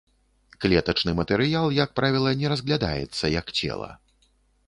Клетачны матэрыял, як правіла, не разглядаецца як цела.